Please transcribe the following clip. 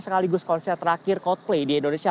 sekaligus konser terakhir coldplay di indonesia